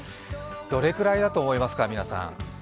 どれくらいだと思いますか、皆さん。